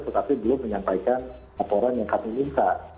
tetapi belum menyampaikan laporan yang kami minta